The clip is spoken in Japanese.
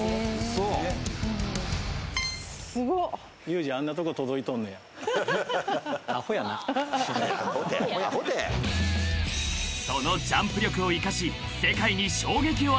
［そのジャンプ力を生かし］